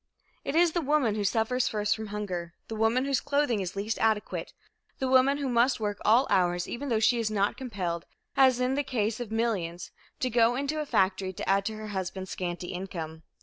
It is the woman who suffers first from hunger, the woman whose clothing is least adequate, the woman who must work all hours, even though she is not compelled, as in the case of millions, to go into a factory to add to her husband's scanty income.